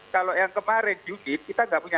kalau yang kemarin juga kita enggak punya